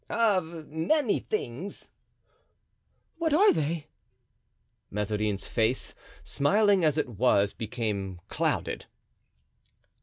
"Of many things." "What are they?" Mazarin's face, smiling as it was, became clouded.